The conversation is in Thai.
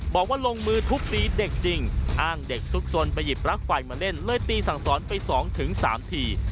บอกว่าลงมือทุบตีเด็กจริงอ้างเด็กซุกซนไปหยิบปลั๊กไฟมาเล่นเลยตีสั่งสอนไป๒๓ที